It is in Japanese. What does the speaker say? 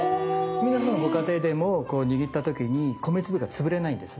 皆さんのご家庭でも握った時に米粒が潰れないんですね。